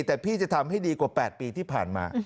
แต่พี่จะทำให้ดีกว่า๘ปีที่ผ่านมา